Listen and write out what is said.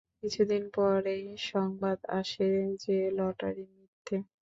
কিছুদিন পরেই সংবাদ আসে যে লটারি মিথ্যে।